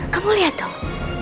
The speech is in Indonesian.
kamu lihat dong